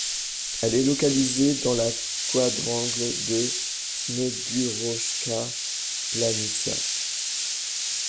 Elle est localisée dans le quadrangle de Snegurochka Planitia.